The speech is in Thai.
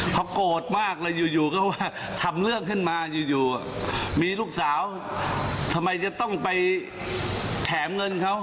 เขาโกรธมากเลยอยู่ก็ว่าทำเรื่องขึ้นมาอยู่มีลูกสาวทำไมจะต้องไปแถมเงินเขา